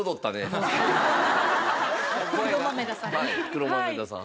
黒豆田さん。